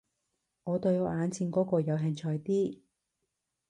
我對我眼前嗰個有興趣啲